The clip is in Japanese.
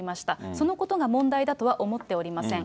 そのことが問題だとは思っておりません。